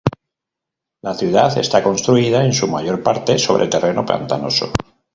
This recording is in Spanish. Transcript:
La ciudad está construida en su mayor parte sobre terreno pantanoso.